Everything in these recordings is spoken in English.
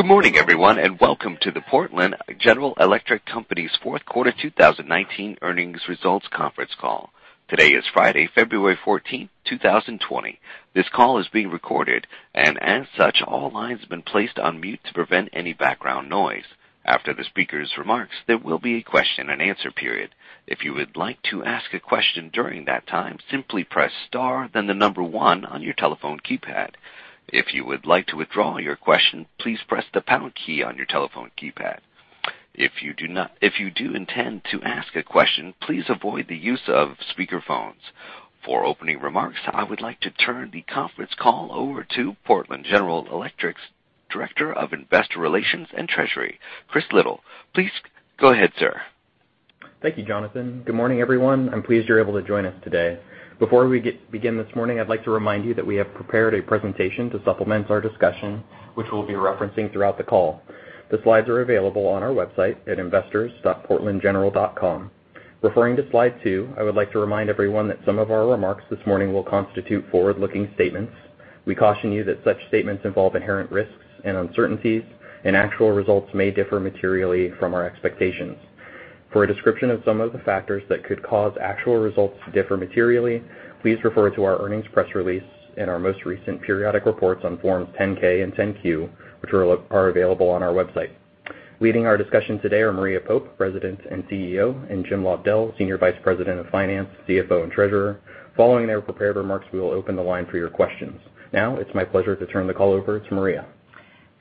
Good morning, everyone, and welcome to the Portland General Electric Company's fourth quarter 2019 earnings results conference call. Today is Friday, February 14th, 2020. This call is being recorded, and as such, all lines have been placed on mute to prevent any background noise. After the speaker's remarks, there will be a question and answer period. If you would like to ask a question during that time, simply press star, then the number one on your telephone keypad. If you would like to withdraw your question, please press the pound key on your telephone keypad. If you do intend to ask a question, please avoid the use of speakerphones. For opening remarks, I would like to turn the conference call over to Portland General Electric's Director of Investor Relations and Treasury, [Chris Liddle]. Please go ahead, sir. Thank you, Jonathan. Good morning, everyone. I'm pleased you're able to join us today. Before we begin this morning, I'd like to remind you that we have prepared a presentation to supplement our discussion, which we'll be referencing throughout the call. The slides are available on our website at investors.portlandgeneral.com. Referring to slide two, I would like to remind everyone that some of our remarks this morning will constitute forward-looking statements. We caution you that such statements involve inherent risks and uncertainties, and actual results may differ materially from our expectations. For a description of some of the factors that could cause actual results to differ materially, please refer to our earnings press release and our most recent periodic reports on forms 10-K and 10-Q, which are available on our website. Leading our discussion today are Maria Pope, President and CEO, and [Jim Lobdell], Senior Vice President of Finance, CFO, and Treasurer. Following their prepared remarks, we will open the line for your questions. Now it is my pleasure to turn the call over to Maria.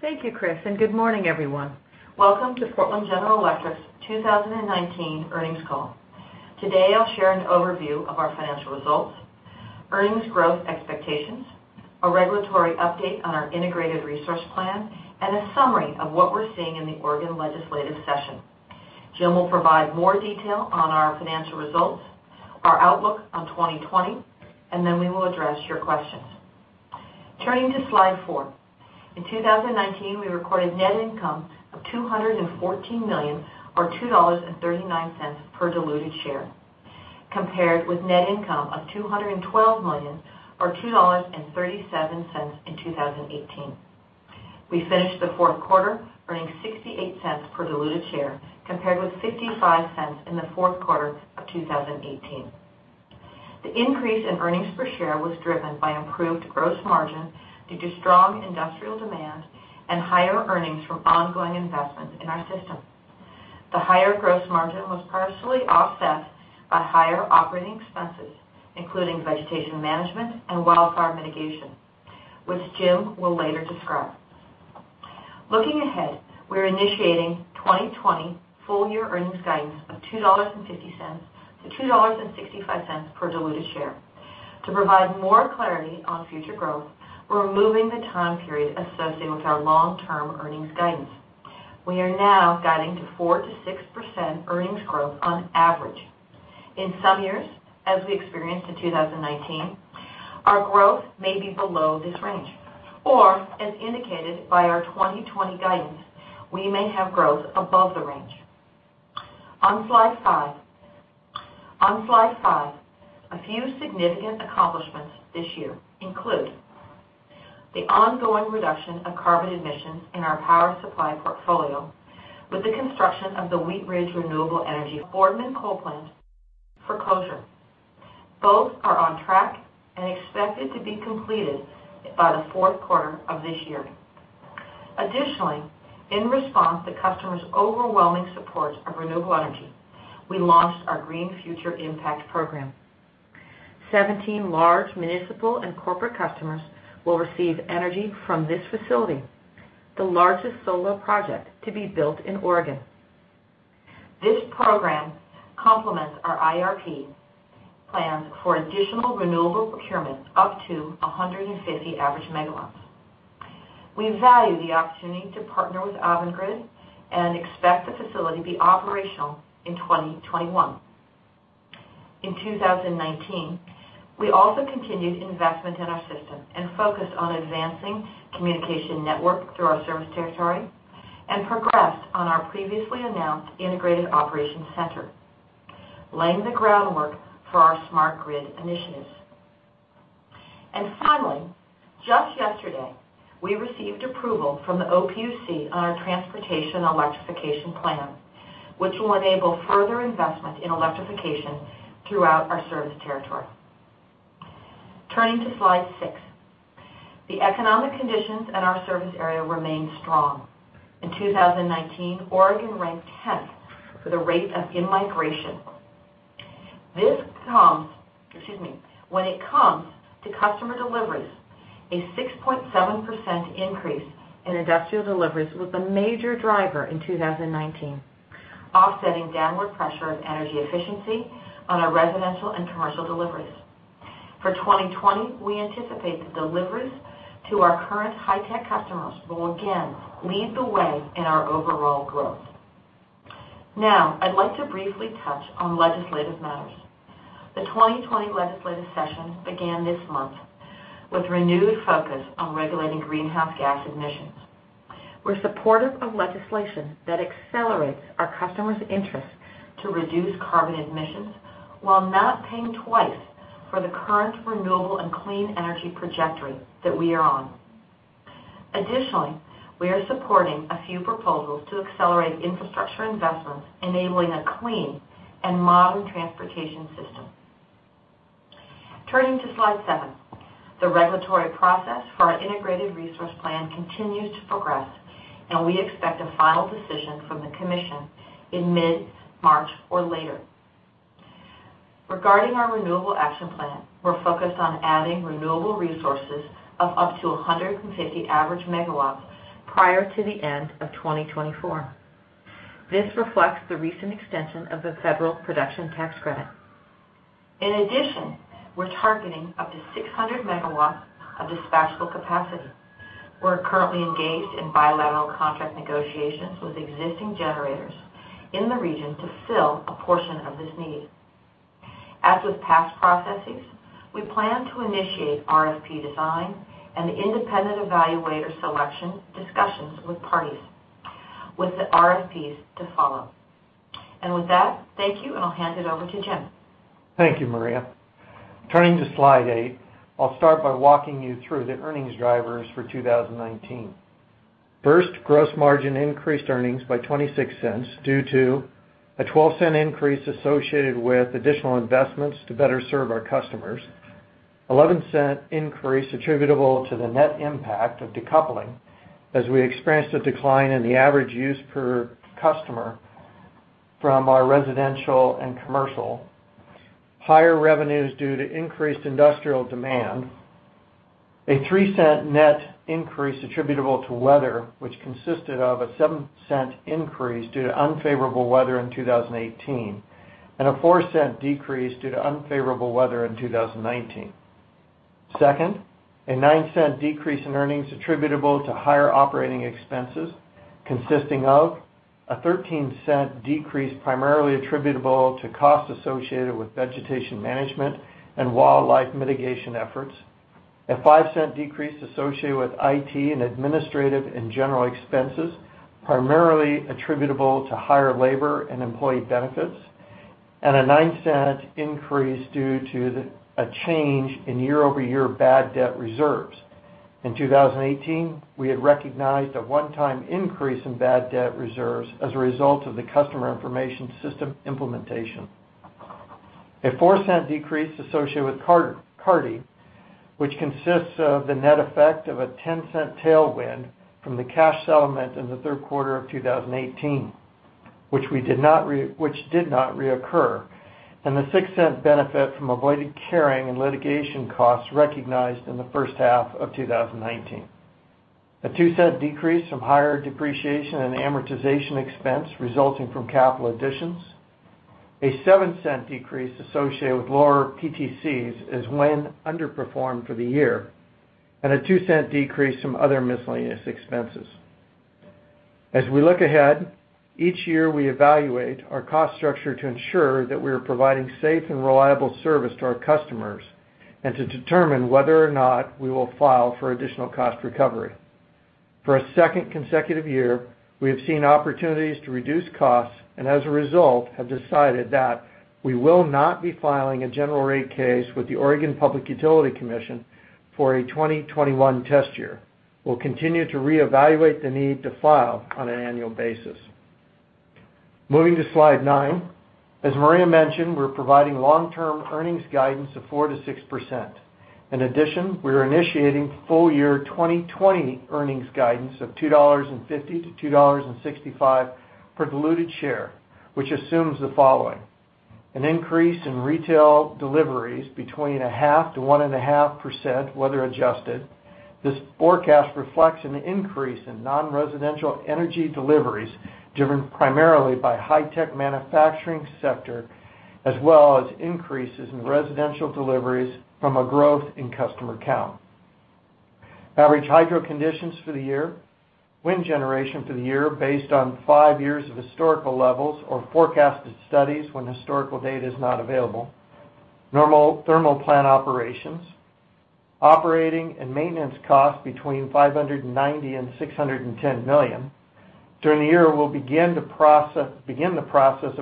Thank you, Chris, and good morning, everyone. Welcome to Portland General Electric's 2019 earnings call. Today, I'll share an overview of our financial results, earnings growth expectations, a regulatory update on our integrated resource plan, and a summary of what we're seeing in the Oregon legislative session. Jim will provide more detail on our financial results, our outlook on 2020, and then we will address your questions. Turning to slide four. In 2019, we recorded net income of $214 million or $2.39 per diluted share, compared with net income of $212 million or $2.37 in 2018. We finished the fourth quarter earning $0.68 per diluted share, compared with $0.55 in the fourth quarter of 2018. The increase in earnings per share was driven by improved gross margin due to strong industrial demand and higher earnings from ongoing investments in our system. The higher gross margin was partially offset by higher operating expenses, including vegetation management and wildfire mitigation, which Jim will later describe. Looking ahead, we're initiating 2020 full-year earnings guidance of $2.50-$2.65 per diluted share. To provide more clarity on future growth, we're removing the time period associated with our long-term earnings guidance. We are now guiding to 4%-6% earnings growth on average. In some years, as we experienced in 2019, our growth may be below this range, or as indicated by our 2020 guidance, we may have growth above the range. On slide five, a few significant accomplishments this year include the ongoing reduction of carbon emissions in our power supply portfolio with the construction of the [Wheatridge Renewable Energy Boardman Coal Plant] for closure. Both are on track and expected to be completed by the fourth quarter of this year. Additionally, in response to customers' overwhelming support of renewable energy, we launched our Green Future Impact program. 17 large municipal and corporate customers will receive energy from this facility, the largest solar project to be built in Oregon. This program complements our IRP plans for additional renewable procurement up to 150 average MW. We value the opportunity to partner with Avangrid and expect the facility to be operational in 2021. In 2019, we also continued investment in our system and focused on advancing communication network through our service territory and progressed on our previously announced integrated operations center, laying the groundwork for our smart grid initiatives. Finally, just yesterday, we received approval from the OPUC on our Transportation Electrification Plan, which will enable further investment in electrification throughout our service territory. Turning to slide six. The economic conditions in our service area remain strong. In 2019, Oregon ranked 10th for the rate of in-migration. When it comes to customer deliveries, a 6.7% increase in industrial deliveries was the major driver in 2019, offsetting downward pressure of energy efficiency on our residential and commercial deliveries. For 2020, we anticipate that deliveries to our current high-tech customers will again lead the way in our overall growth. I'd like to briefly touch on legislative matters. The 2020 legislative session began this month with renewed focus on regulating greenhouse gas emissions. We're supportive of legislation that accelerates our customers' interests to reduce carbon emissions while not paying twice for the current renewable and clean energy trajectory that we are on. We are supporting a few proposals to accelerate infrastructure investments, enabling a clean and modern transportation system. Turning to slide seven. The regulatory process for our integrated resource plan continues to progress. We expect a final decision from the commission in mid-March or later. Regarding our renewable action plan, we're focused on adding renewable resources of up to 150 average MW prior to the end of 2024. This reflects the recent extension of the federal Production Tax Credit. In addition, we're targeting up to 600 MW of dispatchable capacity. We're currently engaged in bilateral contract negotiations with existing generators in the region to fill a portion of this need. As with past processes, we plan to initiate RFP design and independent evaluator selection discussions with parties, with the RFPs to follow. With that, thank you. I'll hand it over to Jim. Thank you, Maria. Turning to slide eight, I'll start by walking you through the earnings drivers for 2019. First, gross margin increased earnings by $0.26 due to a $0.12 increase associated with additional investments to better serve our customers. $0.11 increase attributable to the net impact of decoupling as we experienced a decline in the average use per customer from our residential and commercial. Higher revenues due to increased industrial demand. A $0.03 net increase attributable to weather, which consisted of a $0.07 increase due to unfavorable weather in 2018, and a $0.04 decrease due to unfavorable weather in 2019. Second, a $0.09 decrease in earnings attributable to higher operating expenses, consisting of a $0.13 decrease primarily attributable to costs associated with vegetation management and wildfire mitigation efforts. A $0.05 decrease associated with IT and administrative and general expenses, primarily attributable to higher labor and employee benefits, and a $0.09 increase due to the change in year-over-year bad debt reserves. In 2018, we had recognized a one-time increase in bad debt reserves as a result of the customer information system implementation. A $0.04 decrease associated with Carty, which consists of the net effect of a $0.10 tailwind from the cash settlement in the third quarter of 2018, which did not reoccur. The $0.06 benefit from avoided carrying and litigation costs recognized in the first half of 2019. A $0.02 decrease from higher depreciation and amortization expense resulting from capital additions. A $0.07 decrease associated with lower PTCs as wind underperformed for the year, and a $0.02 decrease from other miscellaneous expenses. As we look ahead, each year, we evaluate our cost structure to ensure that we are providing safe and reliable service to our customers, and to determine whether or not we will file for additional cost recovery. For a second consecutive year, we have seen opportunities to reduce costs, and as a result, have decided that we will not be filing a general rate case with the Oregon Public Utility Commission for a 2021 test year. We'll continue to reevaluate the need to file on an annual basis. Moving to slide nine. As Maria mentioned, we're providing long-term earnings guidance of 4%-6%. In addition, we are initiating full-year 2020 earnings guidance of $2.50-$2.65 per diluted share, which assumes the following. An increase in retail deliveries between 0.5%-1.5%, weather adjusted. This forecast reflects an increase in non-residential energy deliveries driven primarily by high-tech manufacturing sector, as well as increases in residential deliveries from a growth in customer count. Average hydro conditions for the year. Wind generation for the year based on five years of historical levels or forecasted studies when historical data is not available. Normal thermal plant operations. Operating and maintenance costs between $590 million and $610 million. During the year, we'll begin the process of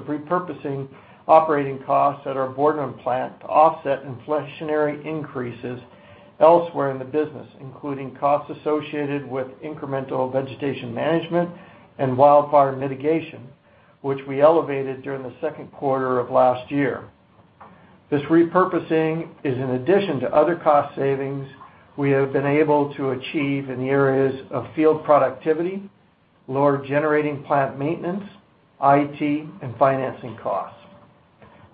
repurposing operating costs at our Boardman plant to offset inflationary increases elsewhere in the business, including costs associated with incremental vegetation management and Wildfire Mitigation, which we elevated during the second quarter of last year. This repurposing is in addition to other cost savings we have been able to achieve in the areas of field productivity, lower generating plant maintenance, IT, and financing costs.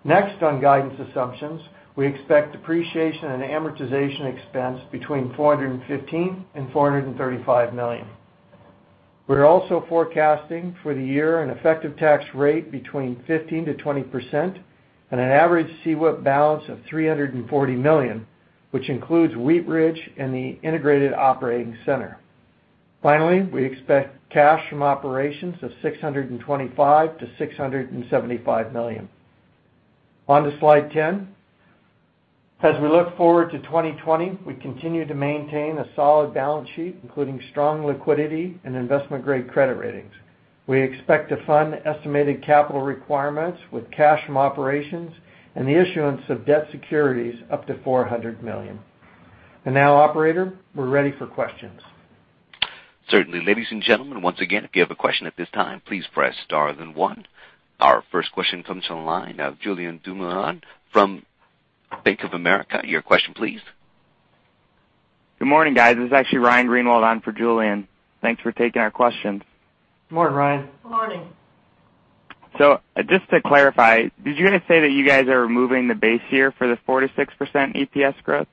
Next on guidance assumptions, we expect depreciation and amortization expense between $415 million and $435 million. We're also forecasting for the year an effective tax rate between 15%-20%, and an average CWIP balance of $340 million, which includes Wheatridge and the integrated operating center. Finally, we expect cash from operations of $625 million to $675 million. On to slide 10. As we look forward to 2020, we continue to maintain a solid balance sheet, including strong liquidity and investment-grade credit ratings. We expect to fund estimated capital requirements with cash from operations and the issuance of debt securities up to $400 million. Now, operator, we're ready for questions. Certainly. Ladies and gentlemen, once again, if you have a question at this time, please press star then one. Our first question comes on the line of [Julien Dumoulin] from Bank of America. Your question, please. Good morning, guys. This is actually Ryan Greenwald on for Julien. Thanks for taking our questions. Morning, Ryan. Morning. Just to clarify, did you say that you guys are removing the base year for the 4%-6% EPS growth?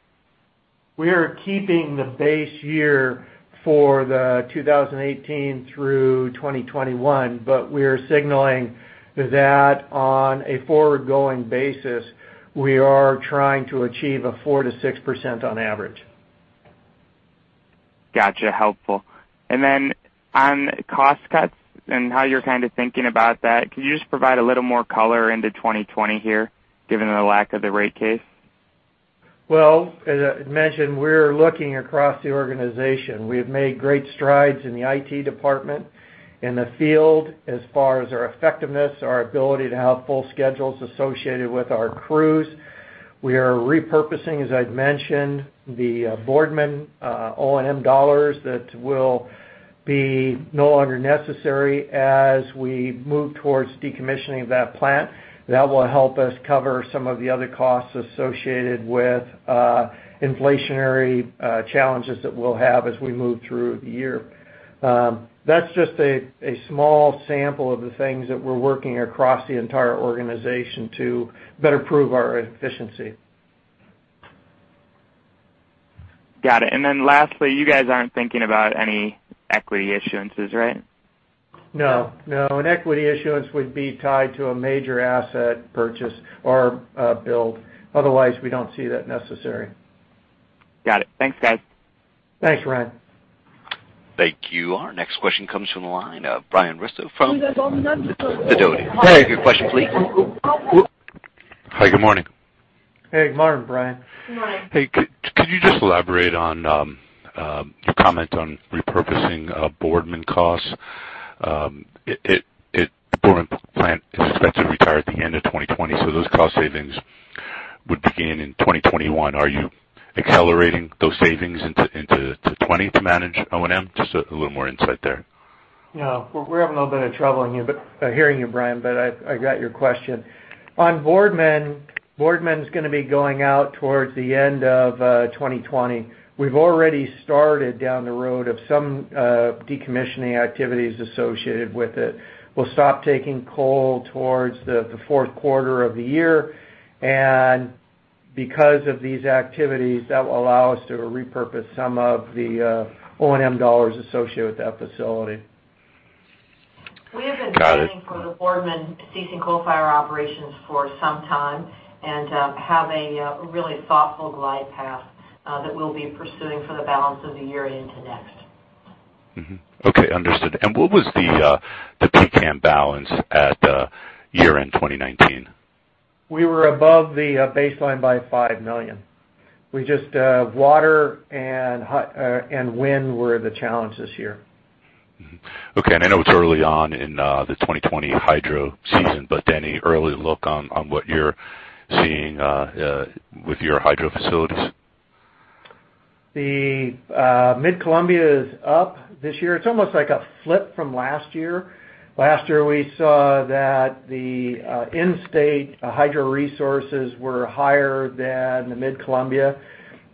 We are keeping the base year for the 2018 through 2021, but we are signaling that on a forward-going basis, we are trying to achieve a 4%-6% on average. Gotcha. Helpful. Then on cost cuts and how you're kind of thinking about that, could you just provide a little more color into 2020 here, given the lack of the rate case? As I mentioned, we're looking across the organization. We have made great strides in the IT department, in the field as far as our effectiveness, our ability to have full schedules associated with our crews. We are repurposing, as I'd mentioned, the Boardman O&M dollars that will be no longer necessary as we move towards decommissioning that plant. That will help us cover some of the other costs associated with inflationary challenges that we'll have as we move through the year. That's just a small sample of the things that we're working across the entire organization to better prove our efficiency. Got it. Lastly, you guys aren't thinking about any equity issuances, right? No, no. An equity issuance would be tied to a major asset purchase or a build. Otherwise, we don't see that necessary. Got it. Thanks, guys. Thanks, Ryan. Thank you. Our next question comes from the line of Brian Russo from [Sidoti]. Your question, please. Hi, good morning. Hey, good morning, Brian. Good morning. Hey, could you just elaborate on your comment on repurposing Boardman costs? Boardman plant is expected to retire at the end of 2020. Those cost savings would begin in 2021. Are you accelerating those savings into 2020 to manage O&M? Just a little more insight there. Yeah. We're having a little bit of trouble hearing you, Brian, but I got your question. On Boardman's going to be going out towards the end of 2020. We've already started down the road of some decommissioning activities associated with it. We'll stop taking coal towards the fourth quarter of the year. Because of these activities, that will allow us to repurpose some of the O&M dollars associated with that facility. Got it. We have been planning for the Boardman ceasing coal fire operations for some time and have a really thoughtful glide path that we'll be pursuing for the balance of the year into next. Mm-hmm. Okay, understood. What was the PCAM balance at year-end 2019? We were above the baseline by $5 million. Just water and wind were the challenges here. Okay. I know it's early on in the 2020 hydro season, but any early look on what you're seeing with your hydro facilities? The Mid-Columbia is up this year. It's almost like a flip from last year. Last year, we saw that the in-state hydro resources were higher than the Mid-Columbia.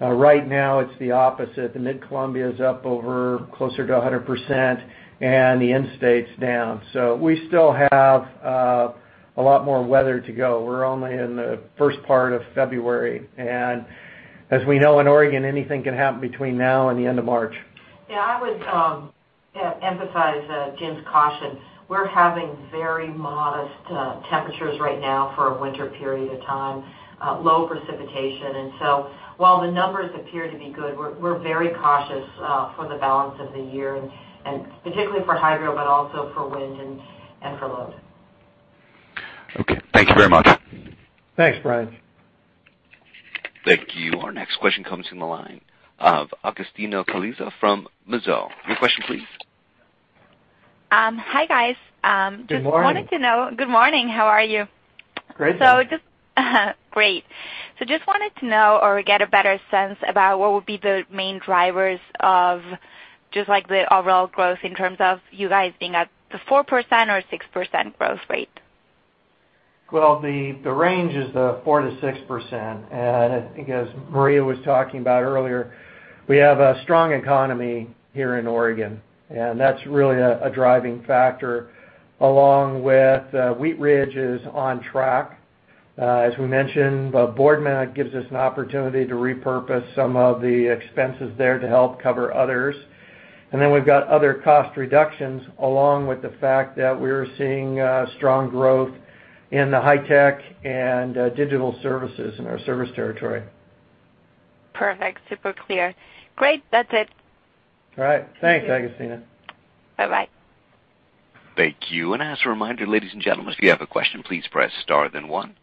Right now it's the opposite. The Mid-Columbia is up over closer to 100% and the in-state's down. We still have a lot more weather to go. We're only in the first part of February, and as we know in Oregon, anything can happen between now and the end of March. Yeah, I would emphasize Jim's caution. We're having very modest temperatures right now for a winter period of time. Low precipitation. While the numbers appear to be good, we're very cautious for the balance of the year, and particularly for hydro, but also for wind and for load. Okay. Thank you very much. Thanks, Brian. Thank you. Our next question comes from the line of [Agostina Colaizzo] from Mizuho. Your question, please. Hi, guys. Good morning. Good morning. How are you? Great. Great. Just wanted to know or get a better sense about what would be the main drivers of just like the overall growth in terms of you guys being at the 4% or 6% growth rate? Well, the range is the 4%-6%. I think as Maria was talking about earlier, we have a strong economy here in Oregon, and that's really a driving factor along with Wheatridge is on track. As we mentioned, Boardman gives us an opportunity to repurpose some of the expenses there to help cover others. We've got other cost reductions, along with the fact that we're seeing strong growth in the high tech and digital services in our service territory. Perfect. Super clear. Great. That's it. All right. Thanks, [Agostina]. Bye-bye. Thank you. As a reminder, ladies and gentlemen, if you have a question, please press star then one.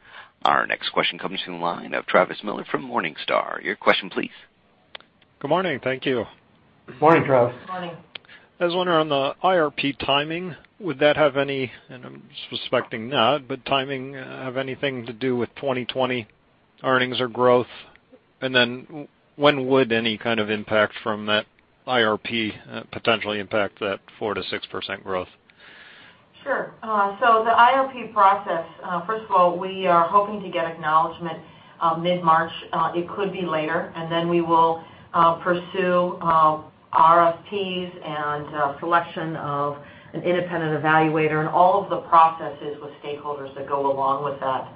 Our next question comes from the line of Travis Miller from Morningstar. Your question, please. Good morning. Thank you. Good morning, Travis. Morning. I was wondering on the IRP timing, would that have any, and I'm suspecting not, but timing have anything to do with 2020 earnings or growth? When would any kind of impact from that IRP potentially impact that 4%-6% growth? Sure. The IRP process, first of all, we are hoping to get acknowledgement mid-March. It could be later, and then we will pursue RFPs and selection of an independent evaluator and all of the processes with stakeholders that go along with that.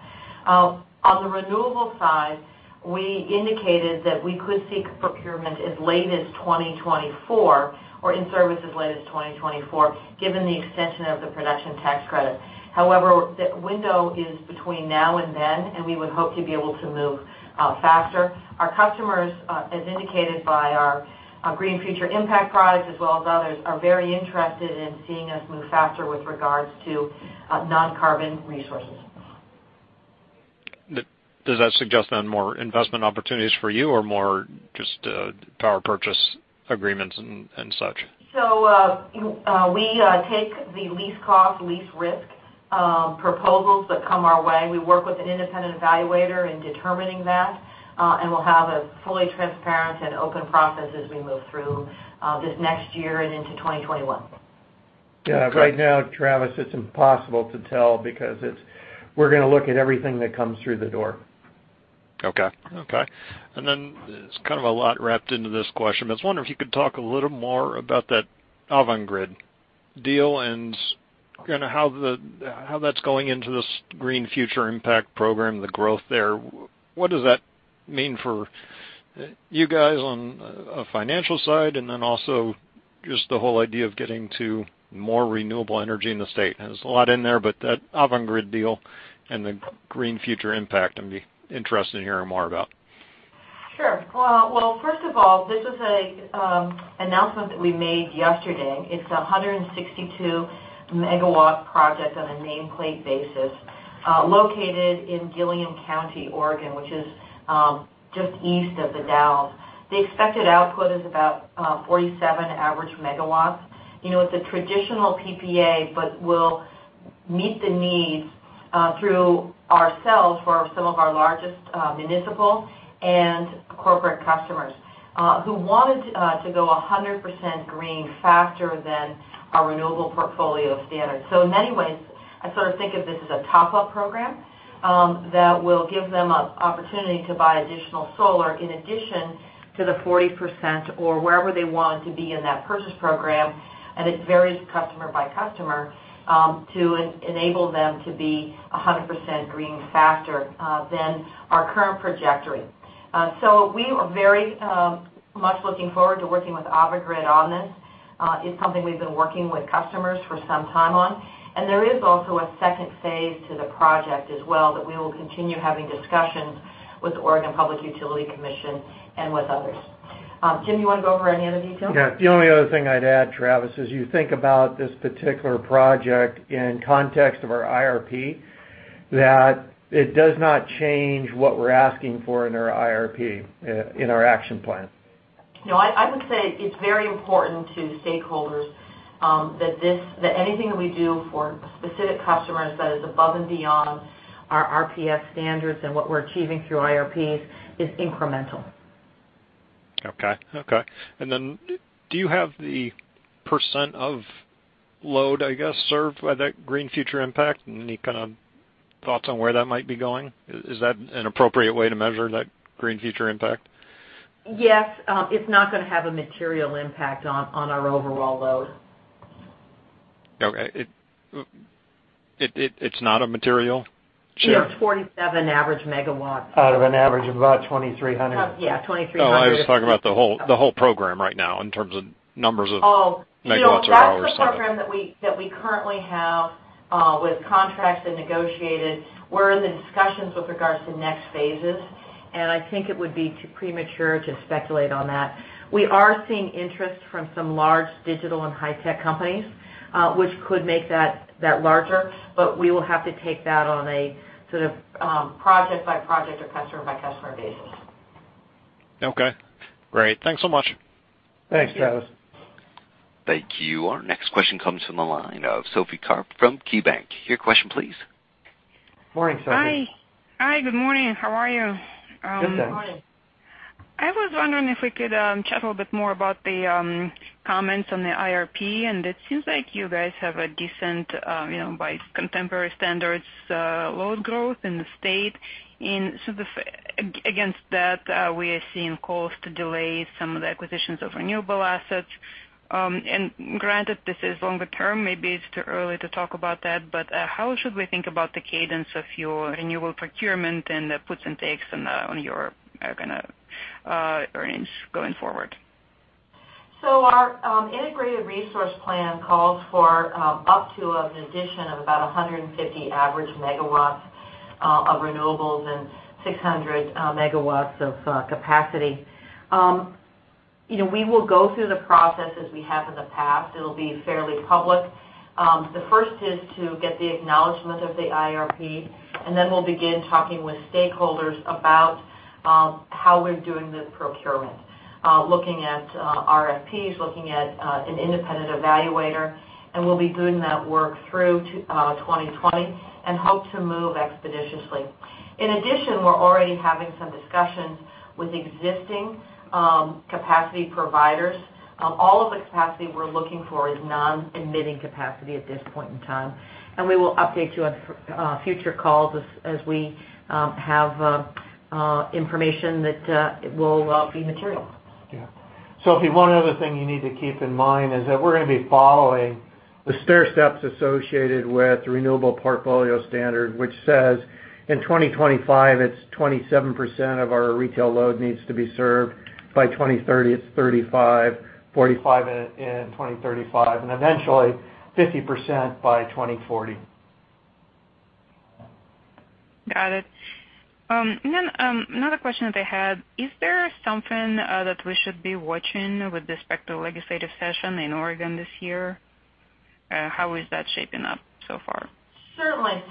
On the renewable side, we indicated that we could seek procurement as late as 2024 or in service as late as 2024, given the extension of the Production Tax Credit. However, the window is between now and then, and we would hope to be able to move faster. Our customers, as indicated by our Green Future Impact product, as well as others, are very interested in seeing us move faster with regards to non-carbon resources. Does that suggest more investment opportunities for you or more just power purchase agreements and such? We take the least cost, least risk proposals that come our way. We work with an independent evaluator in determining that, and we'll have a fully transparent and open process as we move through this next year and into 2021. Yeah. Right now, Travis, it's impossible to tell because we're going to look at everything that comes through the door. Okay. Okay. It's kind of a lot wrapped into this question, but I was wondering if you could talk a little more about that Avangrid deal and how that's going into this Green Future Impact program, the growth there. What does that mean for you guys on a financial side? Also just the whole idea of getting to more renewable energy in the state. There's a lot in there, but that Avangrid deal and the Green Future Impact, I'd be interested in hearing more about. Sure. First of all, this is an announcement that we made yesterday. It's a 162-MW project on a nameplate basis, located in Gilliam County, Oregon, which is just east of The Dalles. The expected output is about 47 average MW. It's a traditional PPA, will meet the needs through ourselves for some of our largest municipal and corporate customers who wanted to go 100% green faster than our Renewable Portfolio Standard. In many ways, I sort of think of this as a top-up program that will give them an opportunity to buy additional solar in addition to the 40% or wherever they want to be in that purchase program. It varies customer by customer, to enable them to be 100% green faster than our current trajectory. We are very much looking forward to working with Avangrid on this. It's something we've been working with customers for some time on, and there is also a second phase to the project as well that we will continue having discussions with the Oregon Public Utility Commission and with others. Jim, you want to go over any other details? The only other thing I'd add, Travis, as you think about this particular project in context of our IRP, that it does not change what we're asking for in our IRP, in our action plan. No, I would say it's very important to stakeholders that anything that we do for specific customers that is above and beyond our RPS standards and what we're achieving through IRPs is incremental. Okay. Do you have the percent of load, I guess, served by that Green Future Impact? Any kind of thoughts on where that might be going? Is that an appropriate way to measure that Green Future Impact? Yes. It's not going to have a material impact on our overall load. Okay. It's not a material? It's 47 average MW. Out of an average of about [2,300 MW]. Yeah, [2,300 MW]. Oh, I was talking about the whole program right now in terms of numbers of. Oh. Megawatts or hours. That's the program that we currently have with contracts and negotiated. We're in the discussions with regards to next phases, and I think it would be too premature to speculate on that. We are seeing interest from some large digital and high-tech companies, which could make that larger, but we will have to take that on a sort of project-by-project or customer-by-customer basis. Okay. Great. Thanks so much. Thanks, Travis. Thank you. Our next question comes from the line of Sophie Karp from KeyBanc. Your question, please. Morning, Sophie. Hi. Good morning. How are you? Good, thanks. Morning. I was wondering if we could chat a little bit more about the comments on the IRP, and it seems like you guys have a decent, by contemporary standards, load growth in the state. Against that, we are seeing calls to delay some of the acquisitions of renewable assets. Granted, this is longer term, maybe it's too early to talk about that, but how should we think about the cadence of your renewable procurement and the puts and takes on your earnings going forward? Our Integrated Resource Plan calls for up to an addition of about 150 average MW of renewables and 600 MW of capacity. We will go through the process as we have in the past. It'll be fairly public. The first is to get the acknowledgment of the IRP, and then we'll begin talking with stakeholders about how we're doing the procurement, looking at RFPs, looking at an independent evaluator, and we'll be doing that work through 2020 and hope to move expeditiously. In addition, we're already having some discussions with existing capacity providers. All of the capacity we're looking for is non-emitting capacity at this point in time, and we will update you on future calls as we have information that it will be material. Yeah. Sophie, one other thing you need to keep in mind is that we're going to be following the stairsteps associated with Renewable Portfolio Standard, which says in 2025, it's 27% of our retail load needs to be served. By 2030, it's 35%, 45% in 2035, and eventually 50% by 2040. Got it. Another question that I had, is there something that we should be watching with respect to legislative session in Oregon this year? How is that shaping up so far? Certainly.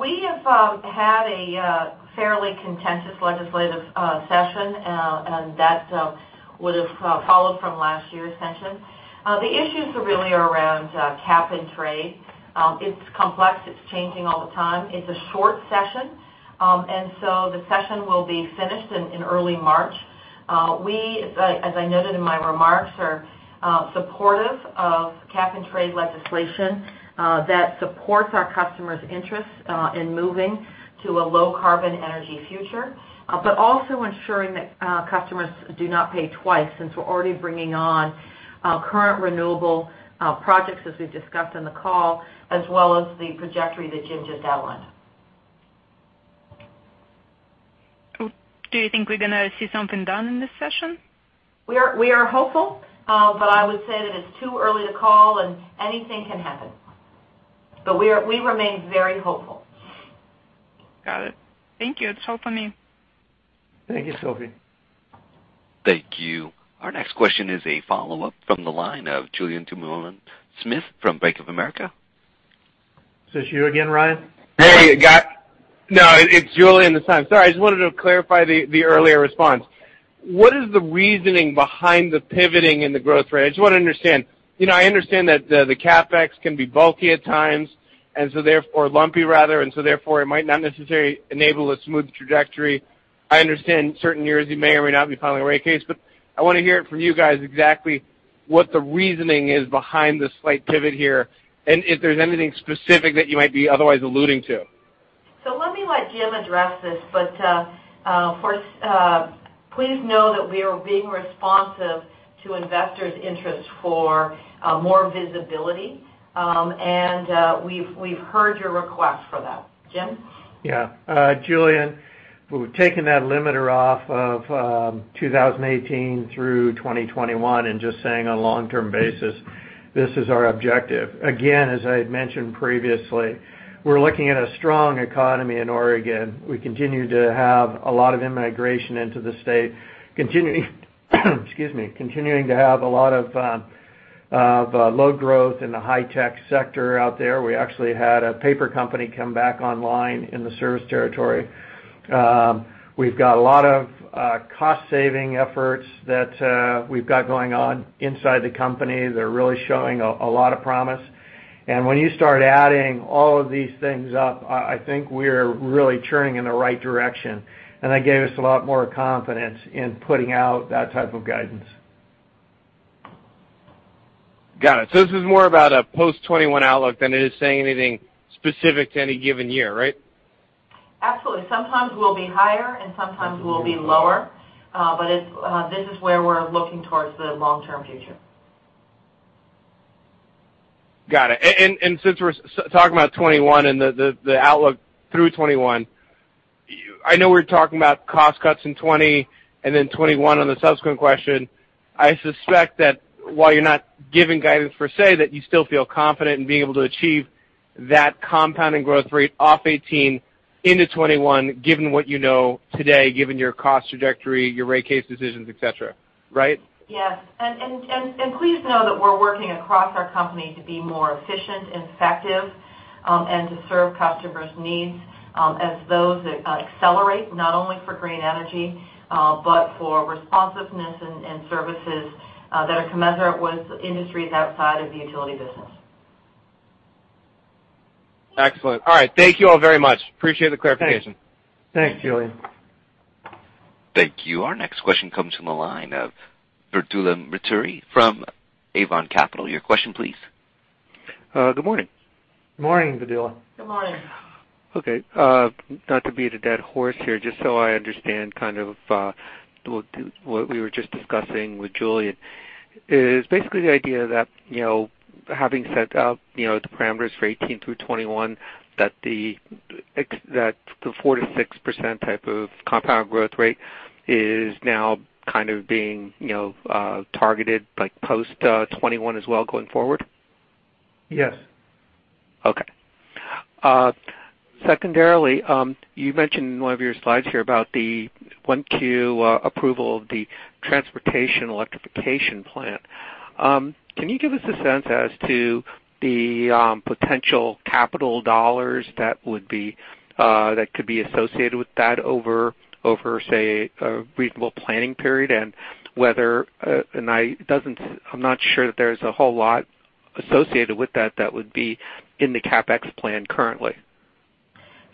We have had a fairly contentious legislative session, and that would've followed from last year's session. The issues really are around cap and trade. It's complex. It's changing all the time. It's a short session. The session will be finished in early March. We, as I noted in my remarks, are supportive of cap and trade legislation that supports our customers' interests in moving to a low-carbon energy future, but also ensuring that customers do not pay twice since we're already bringing on current renewable projects as we've discussed on the call, as well as the trajectory that Jim just outlined. Cool. Do you think we're going to see something done in this session? We are hopeful, but I would say that it's too early to call, and anything can happen. We remain very hopeful. Got it. Thank you. That's all for me. Thank you, Sophie. Thank you. Our next question is a follow-up from the line of Julien Dumoulin-Smith from Bank of America. Is this you again, Ryan? Hey, guys. No, it's Julien this time. Sorry, I just wanted to clarify the earlier response. What is the reasoning behind the pivoting in the growth rate? I just want to understand. I understand that the CapEx can be bulky at times, or lumpy rather, and so therefore, it might not necessarily enable a smooth trajectory. I understand certain years you may or may not be filing a rate case, but I want to hear it from you guys exactly what the reasoning is behind the slight pivot here and if there's anything specific that you might be otherwise alluding to. Let me let Jim address this, but please know that we are being responsive to investors' interests for more visibility. We've heard your request for that. Jim? Yeah. Julien, we've taken that limiter off of 2018 through 2021 and just saying on a long-term basis, this is our objective. Again, as I had mentioned previously, we're looking at a strong economy in Oregon. We continue to have a lot of immigration into the state. Excuse me, continuing to have a lot of low growth in the high-tech sector out there. We actually had a paper company come back online in the service territory. We've got a lot of cost-saving efforts that we've got going on inside the company. They're really showing a lot of promise. When you start adding all of these things up, I think we're really churning in the right direction, and that gave us a lot more confidence in putting out that type of guidance. Got it. This is more about a post 2021 outlook than it is saying anything specific to any given year, right? Absolutely. Sometimes we'll be higher, and sometimes we'll be lower. This is where we're looking towards the long-term future. Got it. Since we're talking about 2021 and the outlook through 2021, I know we're talking about cost cuts in 2020, and then 2021 on the subsequent question. I suspect that while you're not giving guidance per se, that you still feel confident in being able to achieve that compounding growth rate off 2018 into 2021, given what you know today, given your cost trajectory, your rate case decisions, et cetera. Right? Yes. Please know that we're working across our company to be more efficient, effective, and to serve customers' needs as those accelerate, not only for green energy, but for responsiveness and services that are commensurate with industries outside of the utility business. Excellent. All right. Thank you all very much. Appreciate the clarification. Thanks. Thanks, Julien. Thank you. Our next question comes from the line of [Vedula Murti] from [Avon Capital]. Your question please. Good morning. Morning, [Vedula]. Good morning. Okay. Not to beat a dead horse here. Just so I understand kind of what we were just discussing with Julien, is basically the idea that having set up the parameters for 2018 through 2021, the 4%-6% type of compound growth rate is now kind of being targeted post 2021 as well going forward? Yes. Okay. Secondarily, you mentioned in one of your slides here about the 1Q approval of the Transportation Electrification Plan. Can you give us a sense as to the potential capital dollars that could be associated with that over, say, a reasonable planning period? I'm not sure that there's a whole lot associated with that would be in the CapEx plan currently.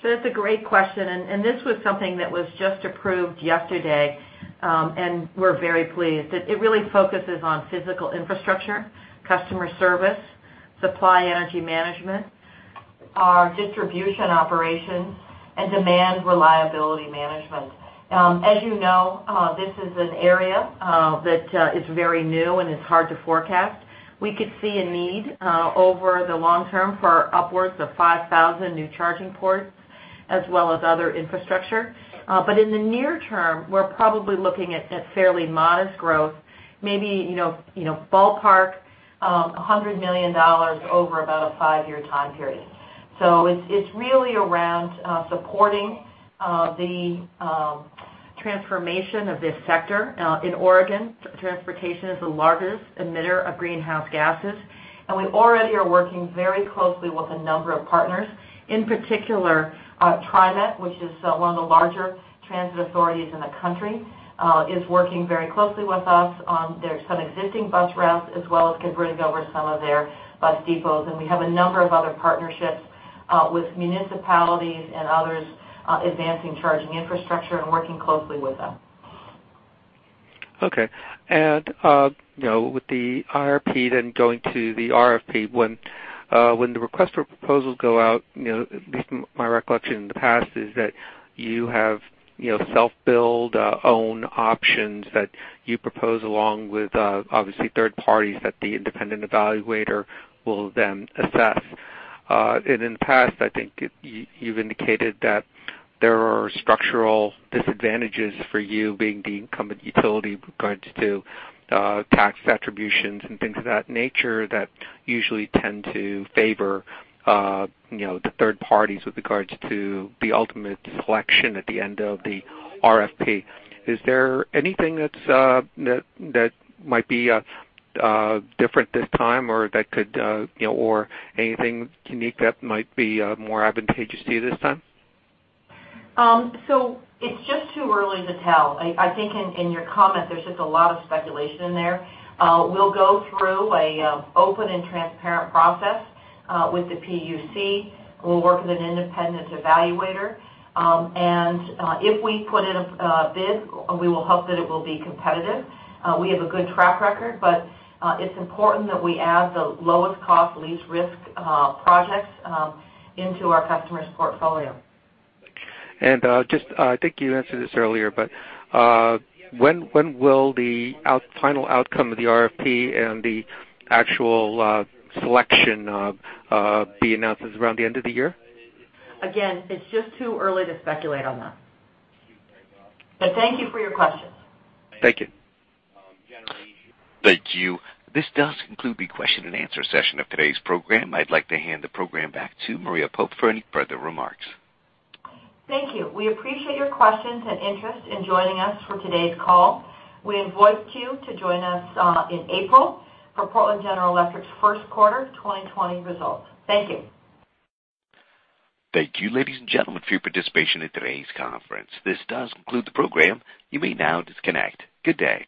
That's a great question, and this was something that was just approved yesterday, and we're very pleased. It really focuses on physical infrastructure, customer service, supply energy management, our distribution operations, and demand reliability management. As you know, this is an area that is very new and is hard to forecast. We could see a need over the long term for upwards of 5,000 new charging ports as well as other infrastructure. In the near term, we're probably looking at fairly modest growth, maybe, ballpark, $100 million over about a five-year time period. It's really around supporting the transformation of this sector. In Oregon, transportation is the largest emitter of greenhouse gases, and we already are working very closely with a number of partners. In particular, TriMet, which is one of the larger transit authorities in the country, is working very closely with us on some existing bus routes, as well as converting over some of their bus depots. We have a number of other partnerships with municipalities and others, advancing charging infrastructure and working closely with them. Okay. With the IRP then going to the RFP, when the request for proposals go out, at least from my recollection in the past, is that you have self-build own options that you propose along with, obviously, third parties that the independent evaluator will then assess. In the past, I think you've indicated that there are structural disadvantages for you being the incumbent utility with regards to tax attributions and things of that nature that usually tend to favor the third parties with regards to the ultimate selection at the end of the RFP. Is there anything that might be different this time or anything unique that might be more advantageous to you this time? It's just too early to tell. I think in your comment, there's just a lot of speculation in there. We'll go through an open and transparent process, with the PUC. We'll work with an independent evaluator. If we put in a bid, we will hope that it will be competitive. We have a good track record. It's important that we add the lowest cost, least risk projects into our customer's portfolio. I think you answered this earlier, but when will the final outcome of the RFP and the actual selection be announced? Is it around the end of the year? Again, it's just too early to speculate on that. Thank you for your questions. Thank you. Thank you. This does conclude the question and answer session of today's program. I'd like to hand the program back to Maria Pope for any further remarks. Thank you. We appreciate your questions and interest in joining us for today's call. We invite you to join us in April for Portland General Electric's first quarter 2020 results. Thank you. Thank you, ladies and gentlemen, for your participation in today's conference. This does conclude the program. You may now disconnect. Good day.